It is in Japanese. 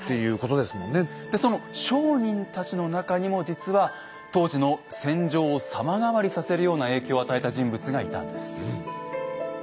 でその商人たちの中にも実は当時の戦場を様変わりさせるような影響を与えた人物がいたんです。